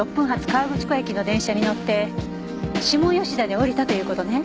河口湖駅の電車に乗って下吉田で降りたという事ね。